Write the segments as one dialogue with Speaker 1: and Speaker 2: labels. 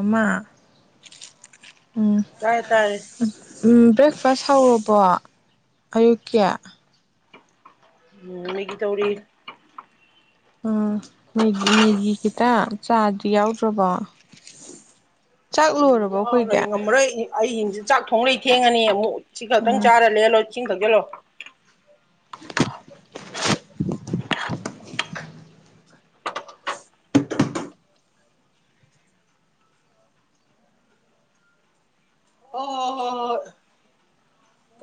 Speaker 1: ꯑꯃ ꯎꯝ
Speaker 2: ꯇꯥꯔꯦ ꯇꯥꯔꯦ
Speaker 1: ꯎꯝ ꯕ꯭ꯔꯦꯛꯐꯥꯁ ꯍꯧꯔꯕꯣ ꯑꯌꯨꯛꯀꯤ
Speaker 2: ꯎꯝ ꯃꯤꯒꯤ ꯇꯧꯔꯤ
Speaker 1: ꯎꯝ ꯃꯦꯒꯤ ꯃꯦꯒꯤ ꯈꯤꯇ ꯆꯥꯗꯤ ꯌꯥꯎꯗ꯭ꯔꯕꯣ ꯆꯥꯛ ꯂꯣꯏꯔꯕꯣ
Speaker 2: ꯌꯥꯎꯔꯦ
Speaker 1: ꯑꯩꯈꯣꯏꯒꯤ
Speaker 2: ꯉꯝꯃꯔꯣꯏ ꯑꯩ ꯆꯥꯛ ꯊꯣꯡꯂꯩ ꯊꯦꯡꯉꯅꯤ ꯑꯃꯨꯛ ꯁꯤꯈꯥꯛꯇꯪ
Speaker 1: ꯎꯝ
Speaker 2: ꯆꯔ ꯂꯦꯜꯂꯣ ꯏꯁꯤꯡ ꯊꯛꯆꯤꯜꯂꯣ ꯍꯣ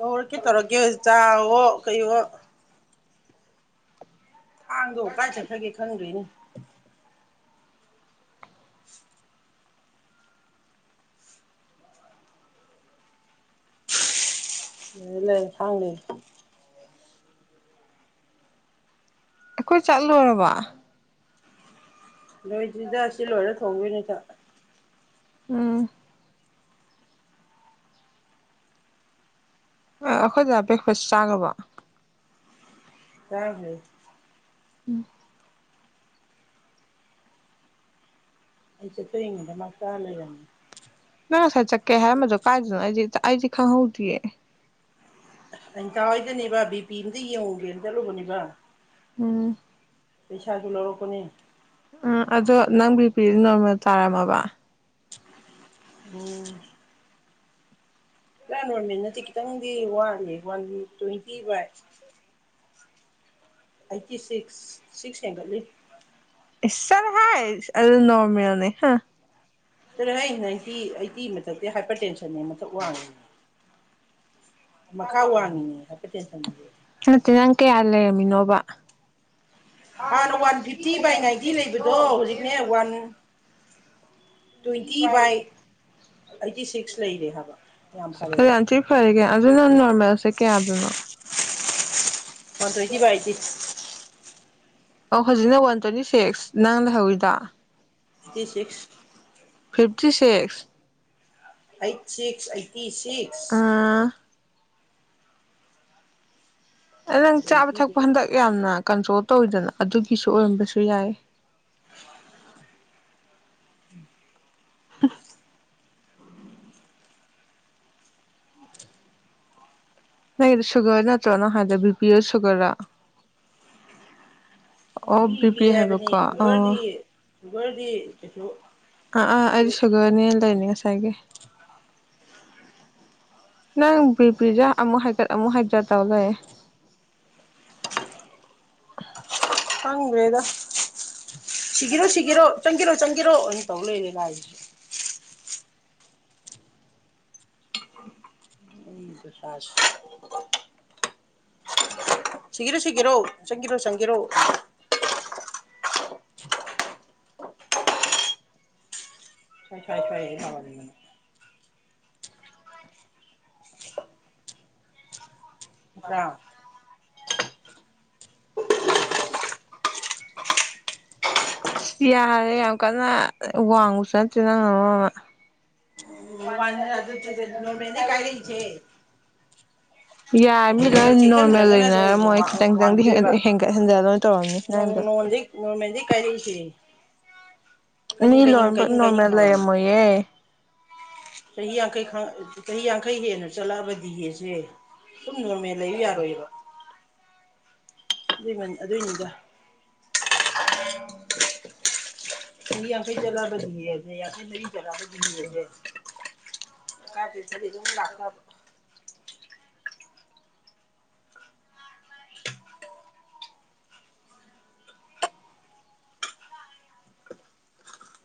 Speaker 2: ꯍꯧꯔꯛꯀꯦ ꯇꯧꯔꯛꯀꯦ ꯆꯥꯑꯣ ꯀꯩꯋꯣ ꯊꯥꯡꯗꯣ ꯀꯥꯏ ꯆꯠꯈ꯭ꯔꯒꯦ ꯈꯪꯗꯔꯦꯅꯦ [inaudible] [unintelligible] ꯂꯩ ꯂꯩꯔꯦ ꯊꯥꯡ ꯂꯩꯔꯦ
Speaker 1: ꯑꯩꯈꯣꯏ ꯆꯥꯛꯂꯣꯏꯔꯕꯣ
Speaker 2: ꯂꯣꯏꯗꯔꯤꯗ ꯑꯁꯤ ꯂꯣꯏꯔꯥ ꯊꯣꯡꯗꯣꯏꯅꯤ ꯆꯥꯛ
Speaker 1: ꯎꯝ ꯑꯩꯈꯣꯏꯗ ꯕꯦꯛꯐꯁ ꯆꯥꯒꯔꯥꯕꯣ
Speaker 2: [unintelligible]
Speaker 1: ꯎꯝ
Speaker 2: [unintelligible] ꯃꯥ ꯆꯥ ꯂꯩꯔꯝꯃꯤ
Speaker 1: ꯅꯪ ꯉꯁꯥꯏ ꯆꯠꯀꯦ ꯍꯥꯏꯔꯝꯕꯗꯣ ꯀꯥꯏꯗꯅꯣ ꯑꯩꯗꯤ ꯈꯪꯍꯧꯗꯤꯌꯦ
Speaker 2: ꯆ ꯍꯣꯏꯗꯅꯤꯕ ꯕꯤꯄꯤ ꯌꯧꯔꯨꯒꯦꯅ ꯆꯠꯂꯨꯕꯅꯤꯕ
Speaker 1: ꯎꯝ
Speaker 2: ꯄꯩꯁꯥꯖꯨ ꯂꯎꯔꯛꯄꯅꯦ
Speaker 1: ꯎꯝ ꯑꯗꯣ ꯅꯪ ꯕꯤ ꯄꯤꯗꯤ ꯅꯣꯔꯃꯦꯜ ꯇꯥꯔꯝꯃꯕ
Speaker 2: ꯎꯝ ꯔꯥ ꯅꯣꯔꯃꯦꯜ ꯅꯠꯇꯦ ꯈꯤꯇꯪꯗꯤ ꯋꯥꯠꯂꯤ one twenty by eighty six six ꯍꯦꯟꯒꯠꯂꯤ꯫
Speaker 1: ꯏꯁ ꯆꯔ ꯍꯥꯏ ꯑꯗꯨ ꯅꯔꯃꯦꯜꯅꯦ ꯍꯥ꯫
Speaker 2: ꯇꯔꯦ ꯑꯩ ꯅꯥꯏꯟꯇꯤ ꯑꯩꯠꯇꯤ ꯃꯊꯛꯇꯤ ꯍꯥꯏꯄꯔ ꯇꯦꯟꯁꯟꯅꯦ ꯃꯊꯛ ꯋꯥꯡꯉꯤꯅꯦ꯫ ꯃꯈꯥ ꯋꯥꯡꯉꯤꯅꯦ ꯍꯥꯏꯄꯔ ꯇꯦꯟꯁꯟꯁꯦ
Speaker 1: ꯅꯠꯇꯦ ꯅꯪ ꯀꯌꯥ ꯂꯩꯔꯝ ꯃꯤꯅꯣꯕ
Speaker 2: ꯍꯥꯟꯅ ꯋꯥꯟ ꯐꯤꯐꯇꯤ ꯕꯥꯏ ꯅꯥꯏꯟꯇꯤ ꯂꯩꯕꯗꯣ ꯍꯧꯖꯤꯛꯅꯦ one twenty by eighty six ꯂꯩꯔꯦ ꯍꯥꯏꯕ ꯌꯥꯝ ꯐꯔꯦꯕ꯫
Speaker 1: ꯑꯗꯨꯅ ꯅꫭꯔꯝ ꯃꯦꯜꯁꯦ ꯀꯌꯥꯗꯅꯣ
Speaker 2: ꯋꯥꯟ ꯇꯨꯋꯦꯟꯇꯤ ꯕꯥꯏ ꯑꯥꯏꯠꯇꯤ꯫
Speaker 1: ꯑꯣ ꯍꯧꯖꯤꯛꯅ ꯋꯥꯟ ꯇ꯭ꯋꯦꯟꯇꯤ ꯁꯤꯛꯁ ꯅꯪ ꯂꯩꯍꯧꯔꯤꯗꫭ꯫
Speaker 2: ꯇꯤ ꯁꯤꯛꯁ
Speaker 1: ꯇꯤ ꯁꯤꯛꯁ
Speaker 2: ꯑꯩꯠ ꯁꯤꯛꯁ ꯑꯩꯠꯇꯤ ꯁꯤ
Speaker 1: ꯑꯥ ꯅꯪ ꯆꯥꯕ
Speaker 2: ꯇ꯭ꯋꯦꯟꯇꯤ
Speaker 1: ꯊꯛꯄ ꯍꯟꯗꯛ ꯌꯥꯝꯅ ꯀꯟꯇ꯭ꯔꯣ ꯇꯧꯋꯤꯗꯅ ꯑꯗꯨꯒꯤꯁꯨ ꯑꯣꯏꯔꯝꯕꯁꯨ ꯌꯥꯏ
Speaker 2: ꯎꯝ
Speaker 1: [unintelligible] ꯅꯪꯒꯤꯗꯤ ꯁꯨꯒꯔ ꯅꯠꯇ꯭ꯔꯣꯅ ꯍꯥꯏꯗ ꯕꯤ ꯄꯤ ꯑꯣ ꯁꯨꯒꯔꯔꯥ꯫ ꯑꯣ
Speaker 2: ꯕꯤ ꯄꯤ
Speaker 1: ꯕꯤꯄꯤ
Speaker 2: ꯍꯥꯏꯕꯅꯤ
Speaker 1: ꯍꯥꯏꯕꯀꯣ ꯑꫭ
Speaker 2: ꯁꯨꯒꯔꯗꯤ ꯁꯨꯒꯔꯗꯤ ꯀꯩꯁꯨ
Speaker 1: ꯑ ꯑ ꯑꯗꯤ ꯁꯒꯔꯅꯦ ꯂꯩꯅꯦ ꯉꯁꯥꯏꯒꯤ ꯅꯪ ꯕꯤꯄꯤꯔꯥ ꯑꯃꯨꯛ ꯍꯥꯏꯒꯠ ꯑꯃꯨꯛ ꯍꯥꯏꯗ ꯇꯧ ꯂꯩꯔꯦ꯫
Speaker 2: [unintelligible] ꯁꯤꯒꯤꯔꯣ ꯁꯤꯒꯤꯔꯣ ꯆꯪꯒꯤꯔꯣ ꯆꯪ ꯀꯤꯔꯣ ꯑꯣꯏꯅ ꯇꯧ ꯂꯩꯔꯦ ꯂꯥꯏꯁꯤꯁꯨ ꯎꯁ ꯁꯤꯒꯦꯔꯣ ꯁꯤꯒꯦꯔꯣ ꯆꯪꯒꯦꯔꯣ ꯆꯪꯒꯦꯔꯣ ꯁꯣꯏ ꯁꯏ ꯁꯋꯥ ꯇꯥꯒꯟꯕꯅꯦ ꯑ ꯑ
Speaker 1: ꯌꯥꯔꯦ ꯌꯥꯝ ꯀꯟꯅ ꯋꯥꯡꯉꯨꯁꯨ ꯅꯠꯇꯦ ꯅꯪꯅ ꯃꯔꫭꯟꯃ꯫
Speaker 2: ꯋꯥꯡ ꯑꯗꯨꯇꯨꯗ ꯅꯣꯔꯃꯜꯦꯅꯤ ꯀꯥꯏꯔꯛꯏꯁꯦ꯫
Speaker 1: ꯌꯥꯔꯃꯤ ꯂꯣꯏ ꯅꯣꯔꯃꯦꯜ
Speaker 2: ꯆꯦꯛꯁꯤꯟꯗ꯭ꯔꯒꯅ
Speaker 1: ꯂꯩꯅꯔꯝꯃꯣꯏ ꯈꯤꯇꯪ ꯈꯤꯇꯪꯗꯤ
Speaker 2: ꯋꯥꯡꯈꯤꯗꯣꯏꯕ
Speaker 1: ꯍꯦꯟꯒꯠ ꯍꯦꯟꯖꯤꯠ ꯂꯣꯏ ꯇꯧꯔꯝꯅꯤ ꯅꯪꯗꯣ꯫
Speaker 2: ꯅꯣꯡꯃꯣꯟꯗꯩ ꯅꯣꯔꯃꯦꯜꯗꯩ ꯀꯥꯏꯔꯛꯏꯁꯦ
Speaker 1: ꯃꯤ
Speaker 2: ꯀꯔꯤꯡ ꯀꯔꯤꯡ
Speaker 1: ꯂꫭꯏꯅꯕ
Speaker 2: ꯀꯔꯤꯡ ꯀꯔꯤꯡ
Speaker 1: ꯅꯣꯔꯃꯦꯜ
Speaker 2: ꯍꯧꯔꯝꯃꯤ
Speaker 1: ꯂꯩꯔꯝꯃꯣꯏꯌꯦ꯫
Speaker 2: ꯆꯍꯤ ꯌꯥꯡꯈꯩ ꯈꯥꯡ ꯆꯍꯤ ꯌꯥꯡꯈꯩ ꯍꯦꯟꯅ ꯆꯠꯂꯛꯑꯕ ꯗꯤꯍꯦꯁꯦ ꯃꯦꯂ ꯂꯩꯎ ꯌꯔꯣꯏꯕ ꯑꯗꯨꯏ ꯑꯗꯨꯏꯅꯤꯗ
Speaker 1: [inaudible]
Speaker 2: ꯃꯤ ꯌꯥꯡꯈꯩ ꯆꯠꯂꯒꯗꯤꯅꯦ ꯌꯥꯡꯈꯩ ꯃꯔꯤ ꯆꯠꯂꯕꯗꯤꯅꯦ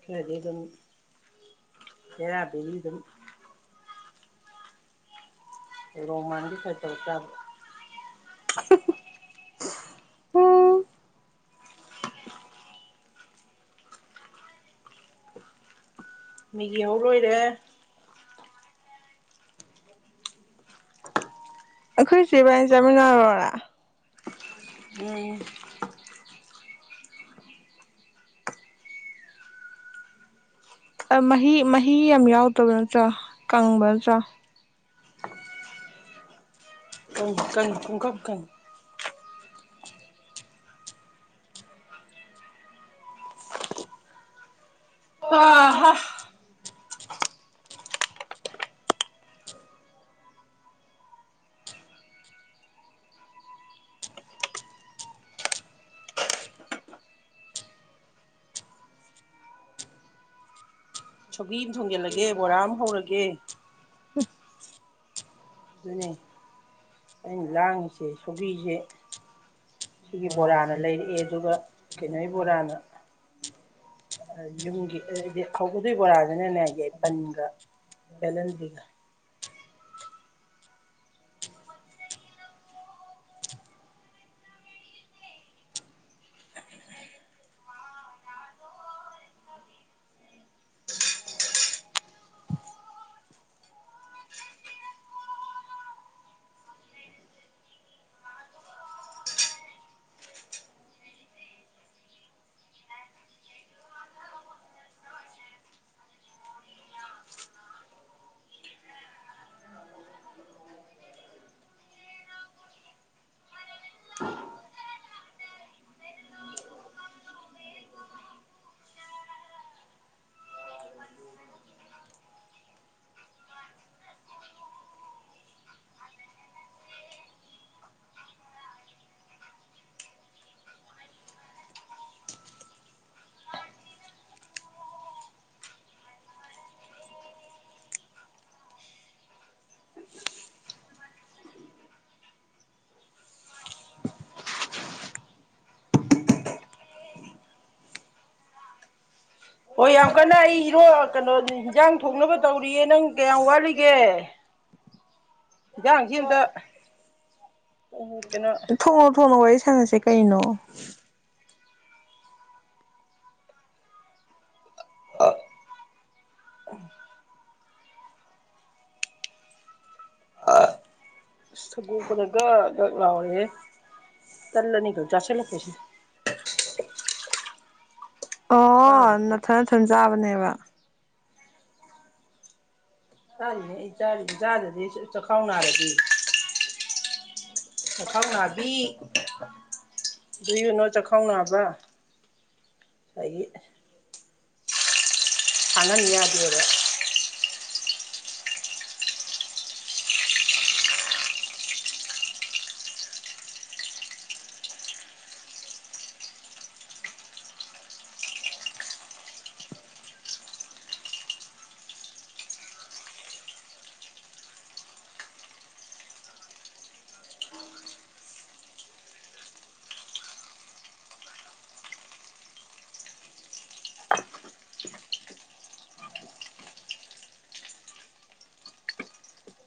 Speaker 2: ꯈꯥꯗꯤ ꯑꯗꯨꯝ ꯕꯦꯔ ꯕꯦꯔꯤ ꯗꯨꯝ ꯔꯣꯝ ꯃꯥꯟꯒꯩ ꯈꯔ ꯇꯧ ꯇꯕ
Speaker 1: [unintelligible] ꯎꯝ
Speaker 2: ꯃꯦꯒꯤ ꯍꯧꯔꯣꯏꯔꯦ
Speaker 1: ꯑꯩꯈꯣꯏ ꯆꯦꯕꯥꯅꯤ ꯑꯣꯏꯅ ꯆꯠꯃꯤꯟꯅꯔꯦꯔ
Speaker 2: ꯎꯝ
Speaker 1: ꯑꯥ ꯃꯍꯤ ꯃꯍꯤ ꯌꯥꯝ ꯌꯥꯎꯗꯕ ꯅꯣꯠꯇ꯭ꯔꯥ ꯀꯪꯕ ꯅꯠꯇ꯭ꯔꯥ
Speaker 2: ꯀꯪ ꯀꯪ ꯄꯨꯡꯀꯪ ꯀꯪꯌꯦ ꯍꯥ ꯍꯥ ꯁꯧꯒꯤ ꯑꯝ ꯊꯣꯡꯖꯤꯜꯂꯒꯦ ꯕꯣꯔꯥ ꯑꯃ ꯍꯧꯔꯒꯦ ꯑꯗꯨꯅꯤ ꯑꯩꯅ ꯂꯥꯡꯉꯤꯁꯦ ꯁꯧꯒꯤꯁꯦ ꯁꯤꯒꯤ ꯕꯣꯔꯥꯅ ꯂꯩꯔꯛꯑꯦ ꯑꯗꯨꯒ ꯀꯩꯅꯣꯒꯤ ꯕꯣꯔꯥꯅ ꯌꯨꯝꯒꯤꯗꯤ ꯍꯧꯗꯣꯏ ꯕꯣꯔꯥꯁꯤꯅꯅꯦ ꯌꯥꯏꯄꯟꯒ ꯕꯦꯂꯦꯟꯗꯤꯒ
Speaker 1: [inaudible]
Speaker 2: ꯍꯣꯏ ꯌꯥꯝ ꯀꯟꯅ ꯑꯩ ꯏꯔꯣ ꯀꯩꯅꯣ ꯏꯟꯖꯥꯡ ꯊꯣꯡꯅꯕ ꯇꯧꯔꯤꯌꯦ ꯅꯪ ꯀꯌꯥꯝ ꯋꯥꯠꯂꯤꯒꯦ ꯏꯟꯖꯥꯡꯁꯤꯝꯇ ꯍ [unintelligible]
Speaker 1: ꯊꯣꯡꯉꯣ ꯊꯣꯡꯉꯣ ꯑꯩ ꯁꯥꯟꯅꯁꯦ ꯀꯩꯅꯣ
Speaker 2: ꯑꯁ ꯁꯧꯒꯣꯛꯄꯗ ꯒꯣꯛ ꯒꯣꯛ ꯂꯥꯎꯔꯦꯍꯦ ꯇꯜ ꯑꯅꯤꯈꯛ ꯆꯥꯁꯤꯜꯂꯛꯄꯁꯤ
Speaker 1: ꯑꯥ
Speaker 2: ꯆꯥꯗꯗꯤ
Speaker 1: ꯅꯊꯟ ꯅꯊꯟ ꯆꯥꯕꯅꯦꯕ ꯋꯥ
Speaker 2: ꯆꯥꯔꯤꯅꯦ ꯑꯩ ꯆꯥꯔꯤꯅꯦ ꯆꯥꯗꯗꯤ ꯆꯈꯥꯎ ꯅꯥꯔꯗꯤ ꯆꯈꯥꯎꯅꯥꯕꯤ ꯗꯨꯌꯨꯅꯣ ꯆꯈꯥꯎ ꯅꯥꯕ ꯑꯅ ꯅꯗꯦꯕ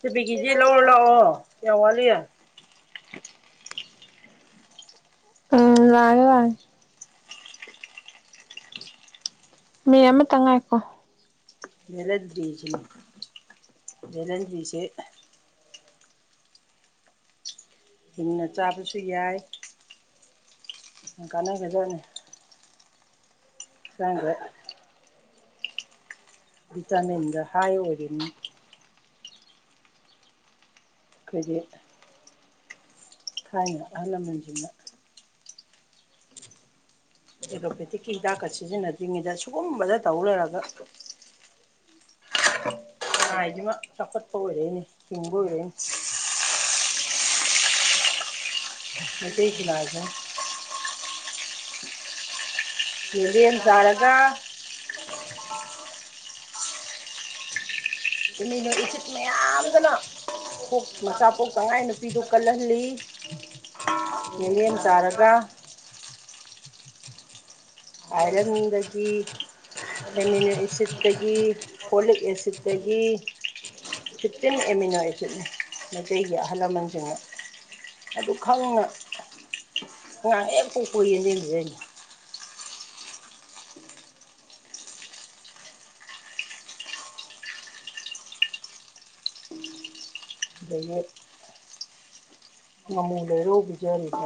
Speaker 2: ꯅꯨꯄꯤ ꯀꯦꯖꯦ ꯂꯧꯔꯣ ꯂꯥꯛꯑꯣ ꯀꯌꯥꯋꯥꯠꯂꯤ
Speaker 1: ꯎꯝ ꯂꯥꯛꯑꯒꯦ ꯂꯥꯛꯑꯒꯦ ꯃꯤ ꯑꯃꯇ ꯉꯥꯏꯀꯣ
Speaker 2: ꯂꯟꯗꯕꯤꯁ ꯕꯦꯂꯦꯟꯗꯔꯤꯁꯦ ꯍꯤꯡꯅ ꯆꯥꯕꯁꯨ ꯌꯥꯏ ꯀꯥꯟꯅꯒꯖꯅꯤ ꯆꯥꯡꯗ ꯚꯤꯇꯥꯃꯤꯟꯒ ꯍꯥꯏ ꯑꯣꯏꯔꯤꯅꯤ ꯀꯣꯏꯗꯤ ꯊꯥꯏꯅ ꯑꯍꯟ ꯂꯃꯟꯁꯤꯡꯅ ꯑꯦꯔꯣꯄꯦꯇꯤꯛꯀꯤ ꯍꯤꯗꯥꯛꯀ ꯁꯤꯖꯤꯟꯅꯗ꯭ꯔꯤꯉꯩꯗ ꯁꯤꯨꯒꯨꯝꯕꯗ ꯇꯧ ꯂꯩꯏꯔꯒ ꯈꯨꯅꯥꯏꯖꯤꯃꯥ ꯆꯥꯎꯈꯠꯄ ꯑꯣꯏꯔꯛꯏꯅꯤ [unintelligible] ꯃꯩꯇꯩ ꯈꯨꯅꯥꯏꯖꯤꯃ ꯌꯦꯟꯗꯦꯝ ꯆꯥꯔꯒ [unintelligible] ꯃꯌꯥꯝꯗꯨꯅ ꯄꯣꯛ ꯃꯆꯥ ꯄꯣꯛꯇꯥ ꯉꯥꯏ ꯅꯨꯄꯤꯗꯨ ꯀꯜꯍꯜꯂꯤ ꯌꯦꯅꯗꯦꯝ ꯆꯥꯔꯒ ꯑꯥꯏꯔꯟꯗꯒꯤ ꯑꯦꯃꯤꯅꯣ ꯑꯦꯁꯤꯠꯇꯒꯤ ꯀꯣꯂꯤꯛ ꯑꯦꯁꯤꯠꯇꯒꯤ ꯐꯤꯇꯤꯝ ꯑꯦꯃꯤꯅꯣ ꯑꯦꯁꯤꯠꯅꯤ ꯃꯩꯇꯩꯒꯤ ꯑꯍꯜ ꯂꯃꯟꯁꯤꯡꯅ ꯑꯗꯨ ꯈꯪꯅ ꯑꯉꯥꯡ ꯍꯦꯛ ꯄꯣꯛꯄꯒ ꯌꯦꯟꯗꯦꯝ ꯄꯤꯖꯔꯤꯖꯤ [unintelligible] ꯉꯥꯃꯨ ꯂꯩꯔꯧ ꯄꯤꯖꯔꯤꯕ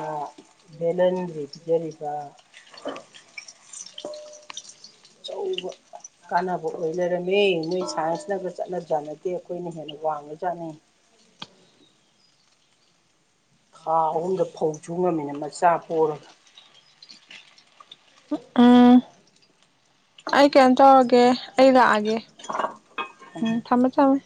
Speaker 2: ꯕꯦꯂꯟꯗꯔꯤ ꯄꯤꯖꯔꯤꯕ [unintelligible] ꯀꯥꯟꯅꯕ ꯑꯣꯏ ꯂꯩꯔꯝꯃꯦ ꯅꯣꯏ ꯁꯥꯏꯟꯁꯅꯒ
Speaker 1: [unintelligible]
Speaker 2: ꯆꯠꯅꯖꯥꯠ ꯅꯠꯇꯦ ꯑꯩꯈꯣꯏꯅ ꯍꯦꯟꯅ ꯋꯥꯡꯉꯖꯥꯠꯅꯤ
Speaker 1: [inaudible]
Speaker 2: [unintelligible] ꯑꯍꯨꯝꯗ ꯐꯧ ꯆꯨ ꯉꯝꯃꯤꯅ ꯃꯆꯥ ꯄꯣꯔꯒ
Speaker 1: ꯎꯝ ꯑꯩ ꯀꯩꯅꯝ ꯇꯧꯔꯒꯦ ꯑꯩ ꯂꯥꯛꯑꯒꯦ ꯎꯝ ꯊꯝꯃꯦ ꯊꯝꯃꯦ